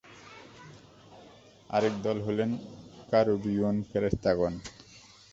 আরেক দল হলেন কারূবীয়ু্ন ফেরেশতাগণ।